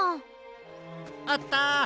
あった！